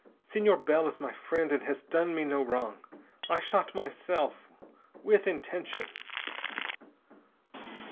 Senor Bell is my friend and has done me no wrong. I shot myself, with intention."